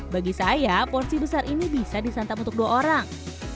bagi saya porsi besar ini bisa disantap untuk dua orang